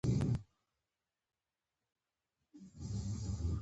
دعوې میتافیزیک پورې اړه لري.